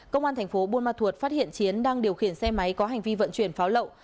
công an thành phố buôn ma thuột phát hiện chiến đang điều khiển xe máy có hành vi vận chuyển pháo lậu